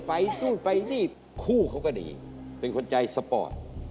นู่นไปนี่คู่เขาก็ดีเป็นคนใจสปอร์ต